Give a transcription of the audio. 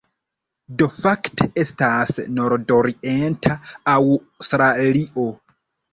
Do fakte estas nordorienta Aŭstralio.